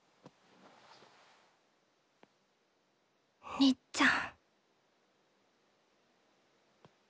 りっちゃん。